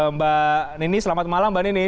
mbak ninis selamat malam mbak ninis